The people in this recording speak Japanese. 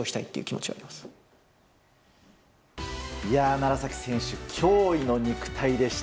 楢崎選手、驚異の肉体でした。